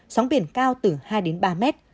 sống biển cao từ hai ba m